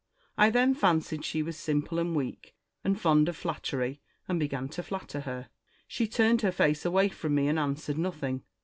I then fancied she was simple and weak, and fond of flattery, and began to flatter her. She turned her face away from me and answered nothing.